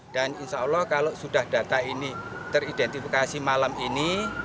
dan insya allah kalau sudah data ini teridentifikasi malam ini